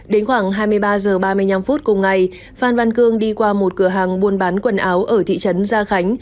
đến khoảng hai mươi ba h ba mươi năm phút cùng ngày phan văn cương đi qua một cửa hàng buôn bán quần áo ở thị trấn gia khánh